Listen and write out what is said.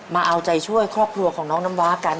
มาเอาใจช่วยครอบครัวของน้องน้ำว้ากัน